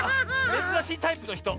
めずらしいタイプのひと。